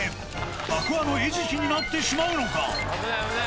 爆破の餌食になってしまうのか。